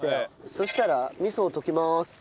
そしたら味噌を溶きます。